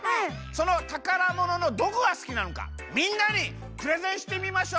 そのたからもののどこがすきなのかみんなにプレゼンしてみましょう！